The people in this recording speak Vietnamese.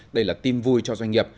đây là tim vui cho doanh nghiệp